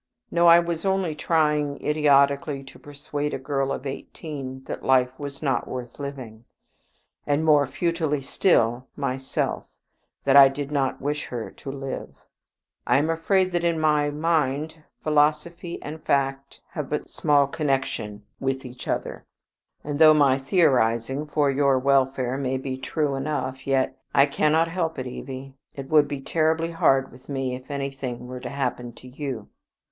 No, I was only trying idiotically to persuade a girl of eighteen that life was not worth living; and more futilely still, myself, that I did not wish her to live. I am afraid, that in my mind philosophy and fact have but small connection with each other; and though my theorizing for your welfare may be true enough, yet, I cannot help it, Evie, it would go terribly hard with me if anything were to happen to you."